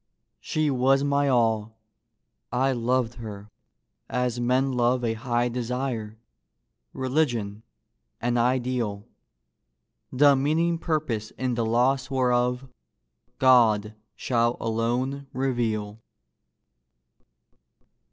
She was my all. I loved her as men love A high desire, religion, an ideal The meaning purpose in the loss whereof God shall alone reveal.